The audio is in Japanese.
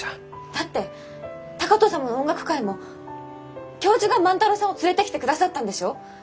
だって高藤様の音楽会も教授が万太郎さんを連れてきてくださったんでしょ？